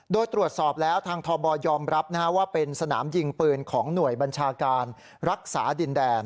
โดยตรวจสอบแล้วทางทบยอมรับว่าเป็นสนามยิงปืนของหน่วยบัญชาการรักษาดินแดน